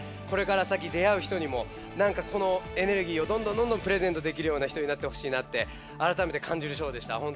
これから先出あう人にもこのエネルギーをどんどんどんどんプレゼントできるような人になってほしいなってあらためて感じるショーでした。